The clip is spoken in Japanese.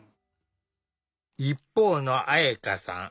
一方の彩夏さん